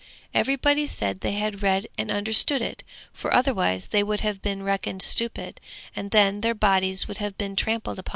Everybody said they had read and understood it, for otherwise they would have been reckoned stupid, and then their bodies would have been trampled upon.